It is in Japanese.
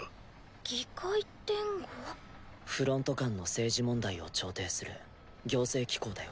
フロント間の政治問題を調停する行政機構だよ。